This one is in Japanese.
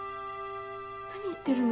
何言ってるの？